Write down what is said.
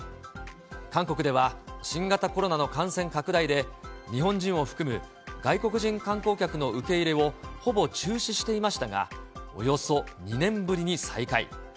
韓国では新型コロナの感染拡大で、日本人を含む、外国人観光客の受け入れをほぼ中止していましたが、およそ２年ぶりに再開。